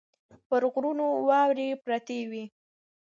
پر غرونو واورې پرتې وې.